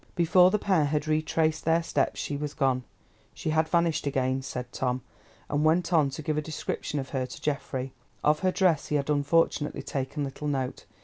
Before the pair had retraced their steps she was gone. "She has vanished again," said "Tom," and went on to give a description of her to Geoffrey. Of her dress he had unfortunately taken little note.